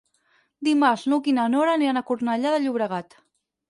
Dimarts n'Hug i na Nora aniran a Cornellà de Llobregat.